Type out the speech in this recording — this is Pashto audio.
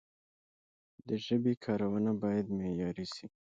د ژبي کارونه باید معیاري سی.